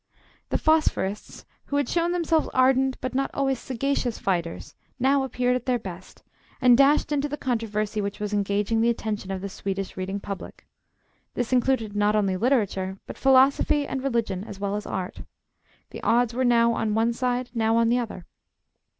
The Phosphorists, who had shown themselves ardent but not always sagacious fighters, now appeared at their best, and dashed into the controversy which was engaging the attention of the Swedish reading public. This included not only literature, but philosophy and religion, as well as art. The odds were now on one side, now on the other.